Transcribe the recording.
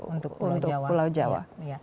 untuk pulau jawa